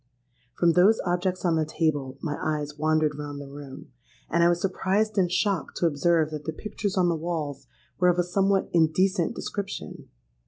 From those objects on the table my eyes wandered round the room; and I was surprised and shocked to observe that the pictures on the walls were of a somewhat indecent description.